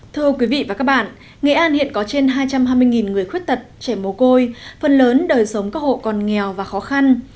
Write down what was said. thưa quý vị và các bạn nghệ an hiện có trên hai trăm hai mươi người khuyết tật trẻ mồ côi phần lớn đời sống các hộ còn nghèo và khó khăn